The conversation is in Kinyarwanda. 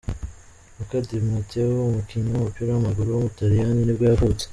Luca Di Matteo, umukinnyi w’umupira w’amaguru w’umutaliyani nibwo yavutse.